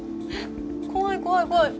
怖い怖い怖い。